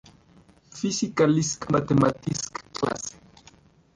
Physikalisch-mathematische Klasse".